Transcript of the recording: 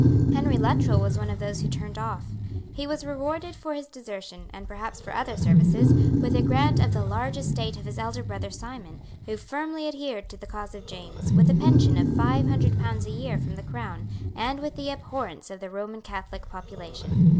Henry Luttrell was one of those who turned off. He was rewarded for his desertion, and perhaps for other services, with a grant of the large estate of his elder brother Simon, who firmly adhered to the cause of James, with a pension of five hundred pounds a year from the Crown, and with the abhorrence of the Roman Catholic population.